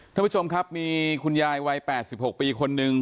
ท่านผู้ชมครับมีคุณยายวัย๘๖ปีคนนึง